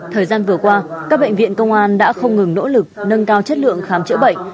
thời gian vừa qua các bệnh viện công an đã không ngừng nỗ lực nâng cao chất lượng khám chữa bệnh